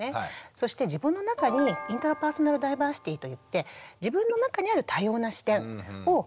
そして自分の中にイントラパーソナルダイバーシティといって自分の中にある多様な視点を身につける。